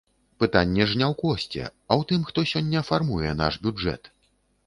Пытанне ж не ў кошце, а ў тым, хто сёння фармуе наш бюджэт.